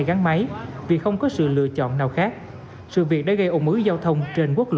gắn máy vì không có sự lựa chọn nào khác sự việc đã gây ổn mứ giao thông trên quốc lộ một